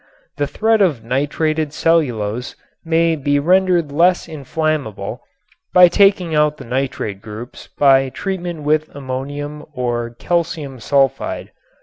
The thread of nitrated cellulose may be rendered less inflammable by taking out the nitrate groups by treatment with ammonium or calcium sulfide.